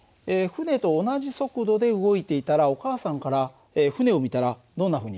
船と同じ速度で動いていたらお母さんから船を見たらどんなふうに見えるかな？